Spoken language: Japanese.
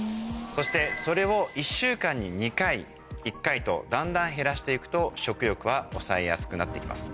そしてそれを１週間に２回１回とだんだん減らして行くと食欲は抑えやすくなって行きます。